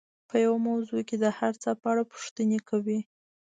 په يوه موضوع کې د هر څه په اړه پوښتنې کوي.